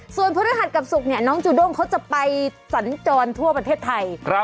ส่วนพฤหัสกับศุกร์เนี่ยน้องจูด้งเขาจะไปสัญจรทั่วประเทศไทย